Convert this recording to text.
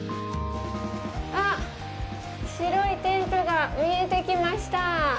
あっ、白いテントが見えてきました。